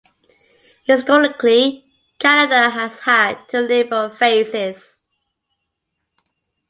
Historically, Canada has had two liberal phases.